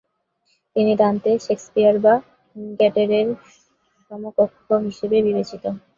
তিনি Dante, Shakespeare বা গ্যোটের সমকক্ষ হিসেবে বিবেচিত।